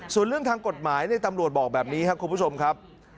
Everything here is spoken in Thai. ส่วนเรื่องทางกฎหมายตำรวจบอกแบบนี้ครับคุณผู้ชมครับ